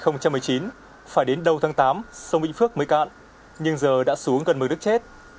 năm hai nghìn một mươi chín phải đến đầu tháng tám sông vĩnh phước mới cạn nhưng giờ đã xuống gần một mươi nước chết